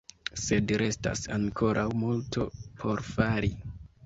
Sed restas ankoraŭ multo por fari.